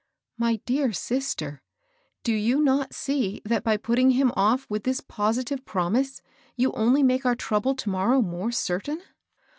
" My dear sister I do you not see that by put ANOTHER visrroB. 836 ting him oflF with this positive promise, you only make our trouble to morrow more certain